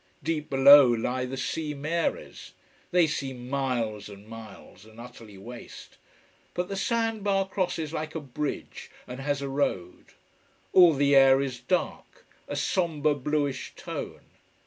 Deep below lie the sea meres. They seem miles and miles, and utterly waste. But the sand bar crosses like a bridge, and has a road. All the air is dark, a sombre bluish tone.